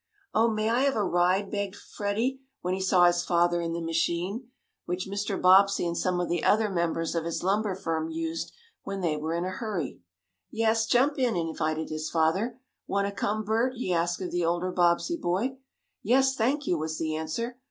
"Oh, may I have a ride?" begged Freddie, when he saw his father in the machine, which Mr. Bobbsey and some of the other members of his lumber firm used when they were in a hurry. "Yes, jump in!" invited his father. "Want to come, Bert?" he asked of the older Bobbsey boy. "Yes, thank you," was the answer.